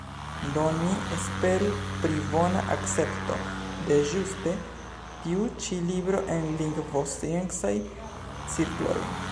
Do ni esperu pri bona akcepto de ĝuste tiu ĉi libro en lingvosciencaj cirkloj.